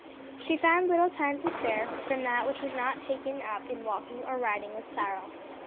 She found little time to spare from that which was not taken up in walking or riding with Cyril.